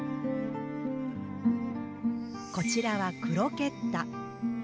こちらはクロケッタ。